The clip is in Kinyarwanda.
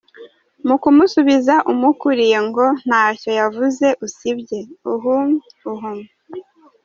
Mu kumusubiza umukuriye ngo ntacyo yavuze usibye; “Uhm, uhm”